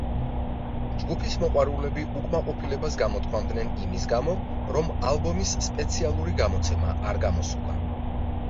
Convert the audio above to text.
ჯგუფის მოყვარულები უკმაყოფილებას გამოთქვამდნენ იმის გამო, რომ ალბომის სპეციალური გამოცემა არ გამოსულა.